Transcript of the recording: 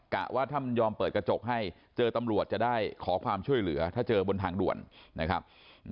ว่าถ้ามันยอมเปิดกระจกให้เจอตำรวจจะได้ขอความช่วยเหลือถ้าเจอบนทางด่วนนะครับ